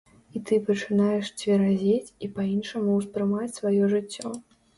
І ты пачынаеш цверазець і па-іншаму ўспрымаць сваё жыццё.